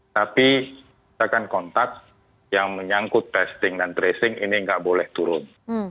tapi kita akan kontak yang menyangkut testing dan tracing ini nggak boleh turun